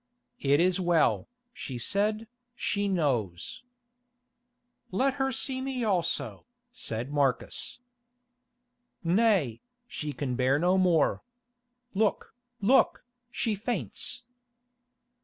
"It is well," she said, "she knows." "Let her see me also," said Marcus. "Nay, she can bear no more. Look, look, she faints."